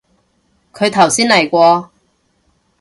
佢頭先嚟過